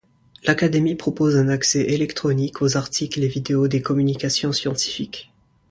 L'Académie propose un accès électronique aux articles et vidéos des communications scientifiques.